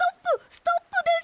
ストップです！